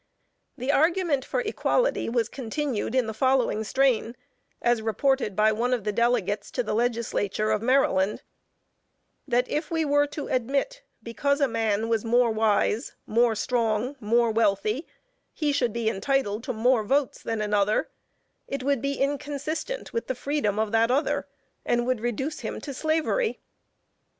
The argument for equality was continued in the following strain, as reported by one of the delegates, to the Legislature of Maryland: "That if we were to admit, because a man was more wise, more strong, more wealthy, he should be entitled to more votes than another, it would be inconsistent with the freedom of that other, and would reduce him to slavery."